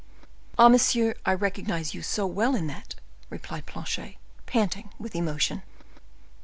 "Ah! monsieur, I recognize you so well in that!" replied Planchet, panting with emotion.